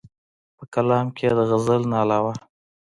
پۀ کلام کښې ئې د غزل نه علاوه